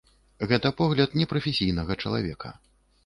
Гэта погляд непрафесійнага чалавека.